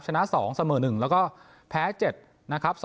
ชนะ๒เสมอ๑แล้วก็แพ้๗นะครับ